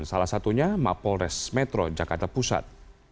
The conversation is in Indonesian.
salah satunya mapolres metro jakarta pusat